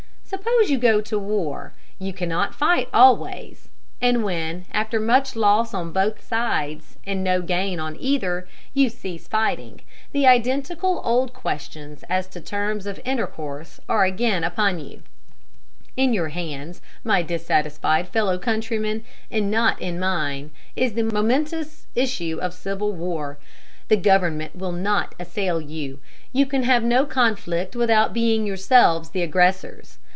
Suppose you go to war, you cannot fight always; and when, after much loss on both sides and no gain on either, you cease fighting, the identical old questions as to terms of intercourse are again upon you.... In your hands, my dissatisfied fellow countrymen, and not in mine, is the momentous issue of civil war. The government will not assail you. You can have no conflict without being yourselves the aggressors....